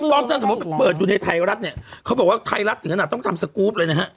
ต้องถ้าสมมุติไปเปิดดูในไทยรัฐเนี่ยเขาบอกว่าไทยรัฐถึงขนาดต้องทำสกรูปเลยนะฮะ